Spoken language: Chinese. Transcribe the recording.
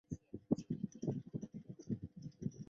四川轮环藤为防己科轮环藤属下的一个种。